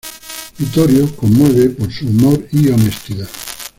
Vittorio es conmovido por su humor y honestidad.